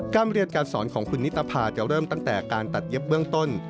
การเรียนการสอนของคุณนิตภาจะเริ่มตั้งแต่การตัดเย็บเบื้องต้น